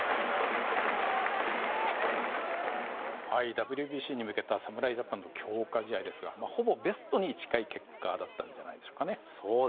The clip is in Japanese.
ＷＢＣに向けた侍ジャパンの強化試合ですがほぼベストに近い結果だったんじゃないでしょうかね。